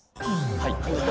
はい